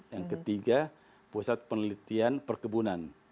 yang ketiga pusat penelitian perkebunan